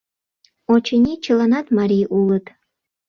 Очыни, чыланат марий улыт.